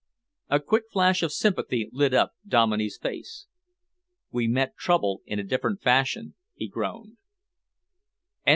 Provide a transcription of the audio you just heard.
A quick flash of sympathy lit up Dominey's face. "We met trouble in a different fashion," he groaned.